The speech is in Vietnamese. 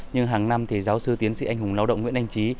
nhưng hàng năm thì giáo sư tiến sĩ anh hùng lao động nguyễn anh trí